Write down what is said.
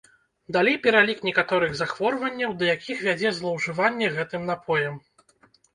Далей пералік некаторых захворванняў, да якіх вядзе злоўжыванне гэтым напоем.